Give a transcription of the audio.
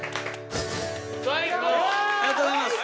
ありがとうございます。